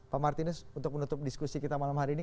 pak martinus untuk menutup diskusi kita malam hari ini